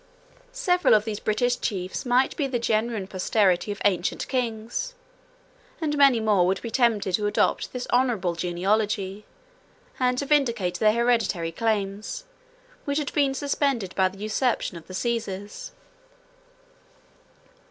Several of these British chiefs might be the genuine posterity of ancient kings; and many more would be tempted to adopt this honorable genealogy, and to vindicate their hereditary claims, which had been suspended by the usurpation of the Caesars.